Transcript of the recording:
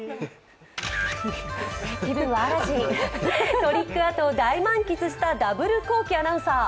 トリックアートを大満喫したダブルコウキアナウンサー。